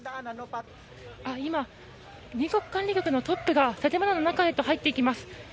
今、入国管理局のトップが建物の中へと入っていきます。